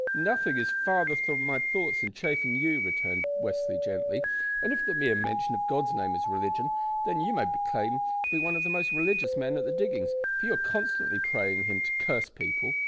"Nothing is farther from my thoughts than chaffing you," returned Westly, gently, "and if the mere mention of God's name is religion, then you may claim to be one of the most religious men at the diggings, for you are constantly praying Him to curse people.